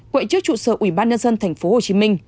quệ trước trụ sở ủy ban nhân dân tp hcm